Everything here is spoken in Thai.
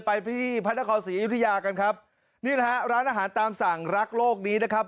ไปที่พระนครศรีอยุธยากันครับนี่นะฮะร้านอาหารตามสั่งรักโลกนี้นะครับ